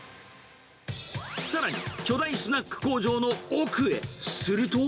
さらに巨大スナック工場の奥へ。